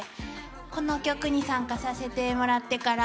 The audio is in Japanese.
この曲に参加させてもらってから